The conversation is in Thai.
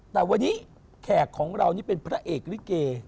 แต่วันนี้แขกของเรานี่เป็นพระเอกลิเก